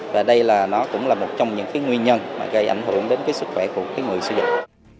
và đây là nó cũng là một trong những cái nguyên nhân gây ảnh hưởng đến cái sức khỏe của người sử dụng